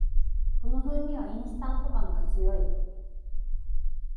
この風味はインスタント感が強い